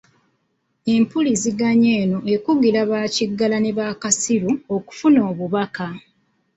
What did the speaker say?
Empuliziganya eno ekugira bakiggala ne bakasiru okufuna obubaka.